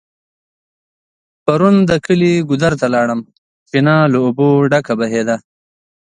پرون د کلي ګودر ته لاړم .چينه له اوبو ډکه بهيده